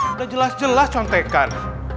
udah jelas jelas contekan